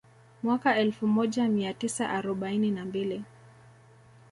Mwaka elfu moja mia tisa arobaini na mbili